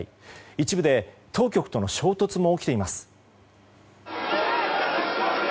一部で当局との衝突も起きています。